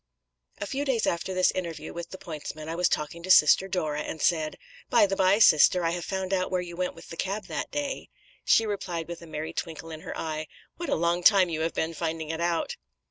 "A few days after this interview with the pointsman I was talking to Sister Dora, and said: 'By the bye, Sister, I have found out where you went with the cab that day.' She replied with a merry twinkle in her eye, 'What a long time you have been finding it out!'"